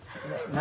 何？